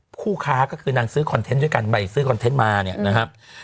ผู้ค้าก็คือนางซื้อคอนเทนต์ด้วยกันไปซื้อคอนเทนต์มาเนี่ยนะครับ